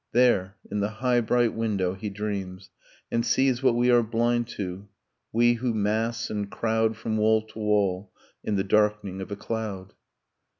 . There, in the high bright window he dreams, and sees What we are blind to, we who mass and crowd From wall to wall in the darkening of a cloud.